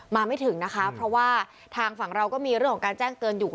ไม่ถึงนะคะเพราะว่าทางฝั่งเราก็มีเรื่องของการแจ้งเตือนอยู่